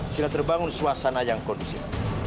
sehingga terbangun suasana yang kondisif